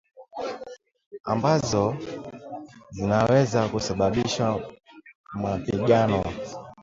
ambazo zinaweza kusababisha mapigano